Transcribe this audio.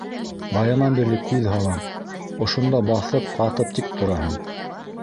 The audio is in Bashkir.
Баянан бирле күҙ һалам, ошонда баҫып ҡатып тик тораһың.